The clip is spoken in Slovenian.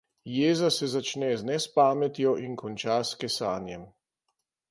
Jeza se začne z nespametjo in konča s kesanjem.